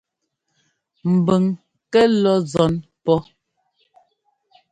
Mbʉng kɛ́ lɔ́ nzɔ́n pɔ́.